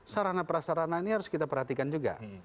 sarana prasarana ini harus kita perhatikan juga